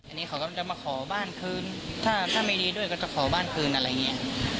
อันนี้เขาก็จะมาขอบ้านคืนถ้าไม่ดีด้วยก็จะขอบ้านคืนอะไรอย่างนี้